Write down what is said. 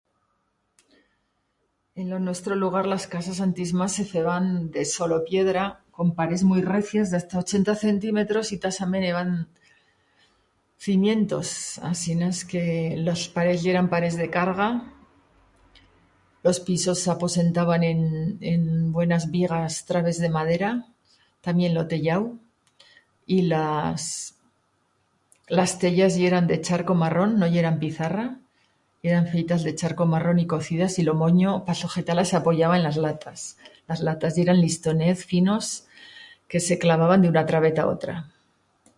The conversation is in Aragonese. En lo nuestro lugar las casas antis mas se feban de solo piedra, con parets muit recias d'hasta ochenta centimetros y tasament heban cimientos, asinas que... las parets yeran parets de carga... Los pisos s'aposentaban en buenas bigas trabes de madera, tamién lo tellau. Y las las tellas yeran de charco marrón, no yeran pizarra, yeran feitas de charco marrón y cocidas y lo monyo... pa sojetar-las s'apoyaba en las latas. Las latas yeran listonez finos que se clavaban d'una trabeta a l'atra.